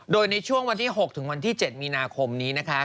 โดยในช่วงวันที่๖ถึงวันที่๗มีนาคมนี้นะคะ